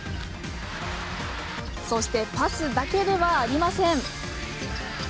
そしてパスだけではありません。